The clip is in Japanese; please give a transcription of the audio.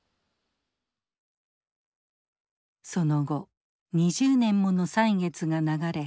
その後２０年もの歳月が流れ